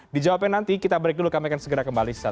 dijawabkan nanti kita break dulu kami akan segera kembali saat lagi